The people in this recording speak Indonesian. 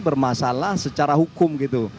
bermasalah secara hukum gitu